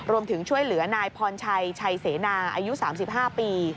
รวมถึงช่วยเหลือนายพรชัยชัยเสนาอายุ๓๕ปี